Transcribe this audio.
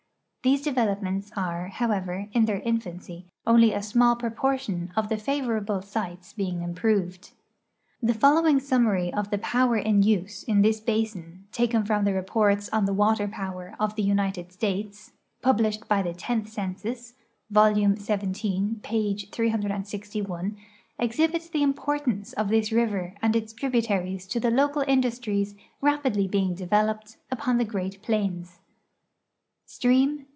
These develo])ments are, however, in their infancy, only a small ])roportlon of the favorable sites being im jiroved. The fidlowing summary of the i)ower in use in this basin, taken from the reports on the Whiter Power of the United States, published by the 4'enth Census, vol. xvii. page 361, ex 184 GEOGRAPHIC LITERATURE hibits the importance of this river and its tributaries to the local industries rapidly being developed upon the Great Plains: Stream.